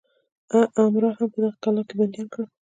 امرا هم په دغه کلا کې بندیان کېدل.